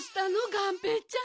がんぺーちゃん。